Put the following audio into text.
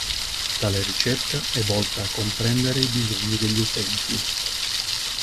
Tale ricerca è volta a comprendere i bisogni degli utenti.